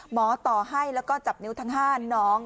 ต่อให้แล้วก็จับนิ้วทั้ง๕น้อง